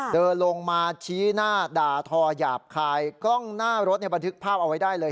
เดินลงมาชี้หน้าด่าทอหยาบคายกล้องหน้ารถบันทึกภาพเอาไว้ได้เลย